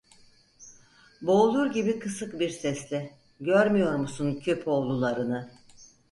Boğulur gibi kısık bir sesle: "Görmüyor musun köpoğlularını…"